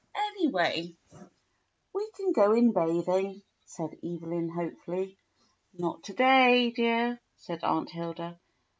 "Anyway, we can go in bathing," said Evelyn hopefully. "Not to day, dear," said Aunt Hilda.